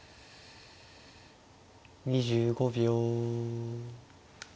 ２５秒。